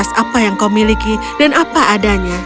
atas apa yang kau miliki dan apa adanya